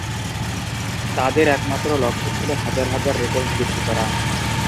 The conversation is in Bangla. তাদের একমাত্র লক্ষ্য ছিল হাজার হাজার রেকর্ড বিক্রি করা।